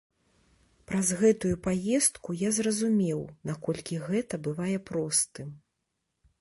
Праз гэтую паездку я зразумеў, наколькі гэта бывае простым.